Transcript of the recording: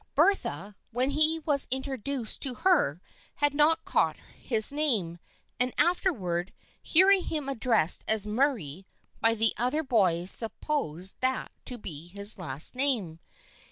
Bertha, when he was introduced to her, had not caught his name, and afterward hearing him addressed as " Murray " by the other boys supposed that to be his last name.